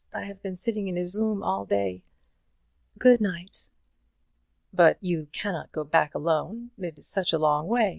I have been sitting in his room all day. Good night." "But you cannot go back alone; it is such a long way.